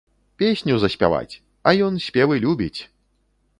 Песню заспяваць, а ён спевы любіць!